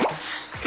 え？